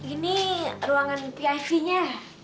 ini ruangan piv nya